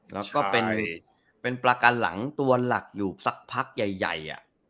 แล้วก็เป็นประกันหลังตัวหลักอยู่สักพักใหญ่